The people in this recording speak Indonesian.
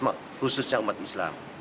khususnya umat islam